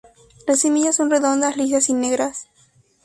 Las semillas son redondas, lisas y negras.